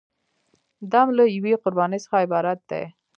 دم له یوې قربانۍ څخه عبارت دی.